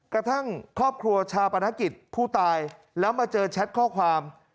กระทั่งครอบครัวชาปนกิจผู้ตายแล้วมาเจอแชทข้อความ